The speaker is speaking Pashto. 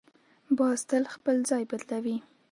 باز تل خپل ځای بدلوي